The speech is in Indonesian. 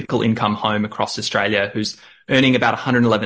rumah tangga yang berasal dari australia yang memiliki harga yang tipikal